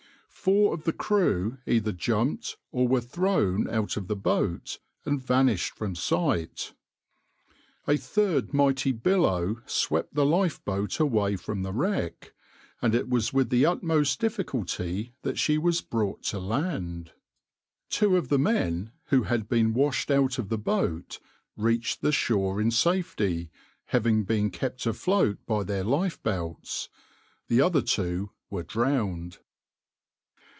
Four of the crew either jumped or were thrown out of the boat, and vanished from sight. A third mighty billow swept the lifeboat away from the wreck, and it was with the utmost difficulty that she was brought to land. Two of the men, who had been washed out of the boat, reached the shore in safety, having been kept afloat by their lifebelts. The other two were drowned.